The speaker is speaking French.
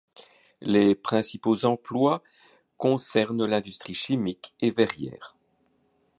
Les principaux emplois concernent l'industrie chimique et verrière.